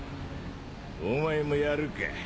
お前もやるか？